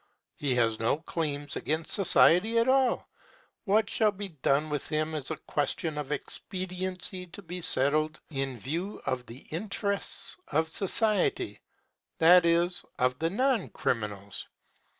He has no claims against society at all. What shall be done with him is a question of expediency to be settled in view of the interests of society that is, of the non criminals.